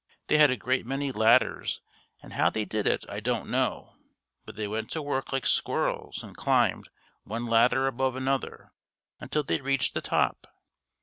They had a great many ladders and how they did it I don't know, but they went to work like squirrels and climbed, one ladder above another, until they reached the top.